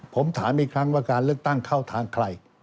ผมถามอีกครั้งว่าการเลือกตั้งเข้าทางใคร